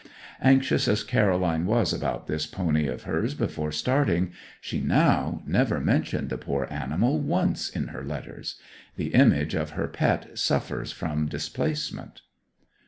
Anxious as Caroline was about this pony of hers before starting, she now never mentioned the poor animal once in her letters. The image of her pet suffers from displacement.